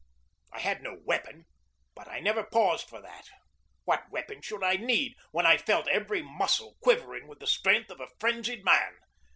I had no weapon, but I never paused for that. What weapon should I need, when I felt every muscle quivering with the strength of a frenzied man?